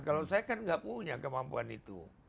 kalau saya kan nggak punya kemampuan itu